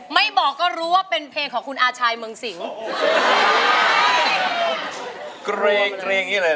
ไม่บอกก็รู้ว่าเป็นเพลงของคุณอาชายเมืองสิงหรือเปล่า